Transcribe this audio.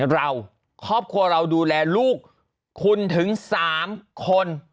เราครอบครัวเราดูแลลูกคุณถึง๓คน